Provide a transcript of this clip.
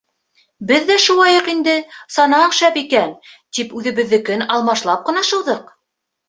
— Беҙ ҙә шыуайыҡ инде, санаң шәп икән, тип үҙебеҙҙекен алмашлап ҡына шыуҙыҡ.